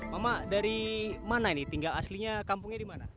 mama dari mana ini tinggal aslinya kampungnya di mana